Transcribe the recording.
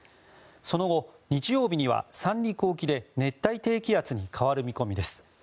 その後、日曜日には三陸沖で熱帯低気圧に変わる見込みです。